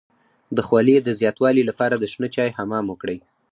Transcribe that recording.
د خولې د زیاتوالي لپاره د شنه چای حمام وکړئ